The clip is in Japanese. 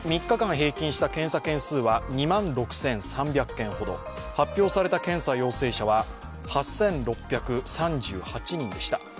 ３日間平均した検査件数は２万６３００件ほど、発表された検査陽性者は８６３８人でした。